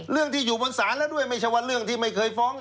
เรื่องที่อยู่บนศาลแล้วด้วยไม่ใช่ว่าเรื่องที่ไม่เคยฟ้อง